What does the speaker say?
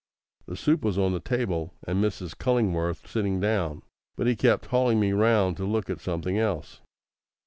The soup was on the table, and Mrs. Cullingworth sitting down, but he kept hauling me round to look at something else.